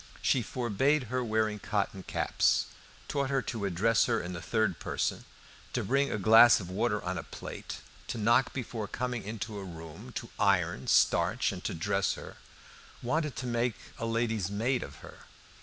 She forbade her wearing cotton caps, taught her to address her in the third person, to bring a glass of water on a plate, to knock before coming into a room, to iron, starch, and to dress her wanted to make a lady's maid of her.